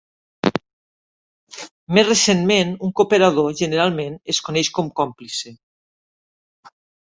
Més recentment, un cooperador, generalment, es coneix com còmplice.